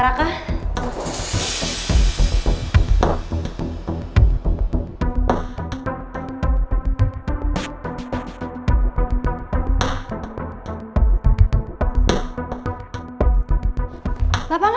gak ada apa apa pak raka